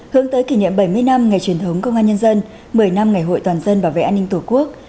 hướng tới kỷ niệm bảy mươi năm ngày truyền thống công an nhân dân một mươi năm ngày hội toàn dân bảo vệ an ninh tổ quốc